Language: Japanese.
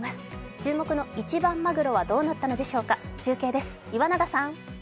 注目の一番マグロはどうなったのでしょうか。